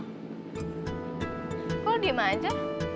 kok udah diima aja